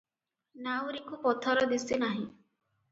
ନାଉରୀକୁ ପଥର ଦିଶେନାହିଁ ।